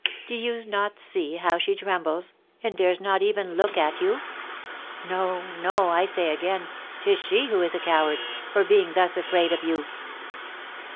Do you not see how she trembles, and dares not even look at you? No, no! I say again, 'tis she who is a coward, for being thus afraid of you."